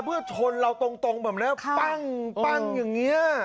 เพื่อชนเราตรงแบบพัง